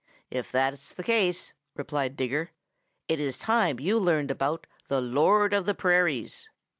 "If that's the case," replied Digger, "it is time you learned about the Lord of the Prairies."